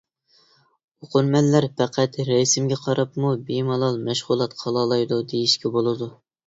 ئوقۇرمەنلەر پەقەت رەسىمگە قاراپمۇ بىمالال مەشغۇلات قىلالايدۇ دېيىشكە بولىدۇ.